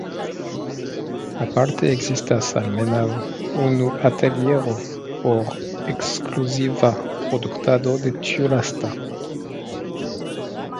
Aparte ekzistas almenaŭ unu ateliero por ekskluziva produktado de tiu lasta.